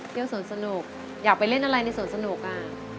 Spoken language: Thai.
เที่ยวสวนสนุกอยากไปเล่นอะไรในส่วนสนุกอ่ะ